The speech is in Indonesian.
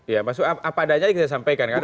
ya maksudnya apa adanya kita sampaikan